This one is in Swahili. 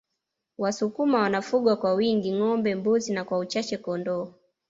Wasukuma wanafuga kwa wingi ngombe mbuzi na kwa uchache kondoo